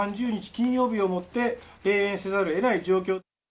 金曜日をもって閉園せざるをえない状況。